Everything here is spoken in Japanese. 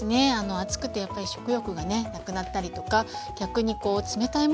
暑くてやっぱり食欲がねなくなったりとか逆にこう冷たいものをね